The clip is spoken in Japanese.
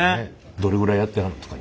どれぐらいやってはるんですか？